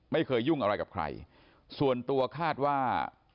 ยุ่งอะไรกับใครส่วนตัวคาดว่า